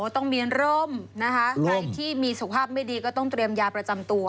ต้องมีร่มนะคะใครที่มีสุขภาพไม่ดีก็ต้องเตรียมยาประจำตัว